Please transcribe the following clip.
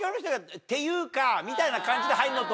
みたいな感じで入んのと？